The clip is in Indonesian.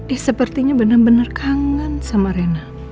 eh sepertinya bener bener kangen sama rina